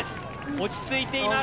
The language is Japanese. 落ち着いています。